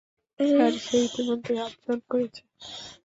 Sir, সে ইতিমধ্যেই আবেদন করেছে।